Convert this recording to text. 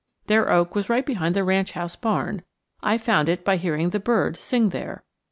Their oak was right behind the ranch house barn; I found it by hearing the bird sing there.